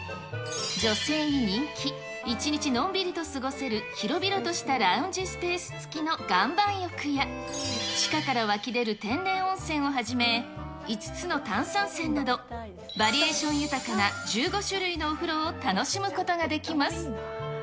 女性に人気、１日のんびりと過ごせる広々としたラウンジスペース付きの岩盤浴や、地下から湧き出る天然温泉をはじめ、５つの炭酸泉など、バリエーション豊かな１５種類のお風呂を楽しむことができます。